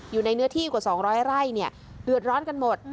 อยู่ในเนื้อที่กว่า๒๐๐ไร่เนี่ยเดือดร้อนกันหมด